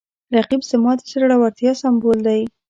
رقیب زما د زړورتیا سمبول دی